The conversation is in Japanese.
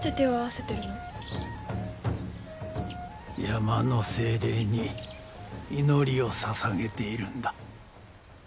山の精霊に祈りをささげているんだ。